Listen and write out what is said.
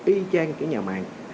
y chang cái nhà mạng